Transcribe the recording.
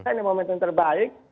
ini momentum terbaik